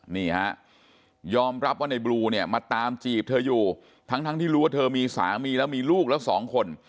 นี่ฮะยอมรับว่าในบลูเนี่ยมาตามจีบเธออยู่ทั้งที่รู้ว่าเธอมีสามีแล้วมีลูกแล้วสองคน